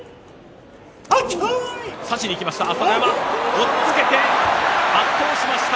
押っつけて圧倒しました。